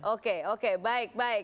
oke oke baik baik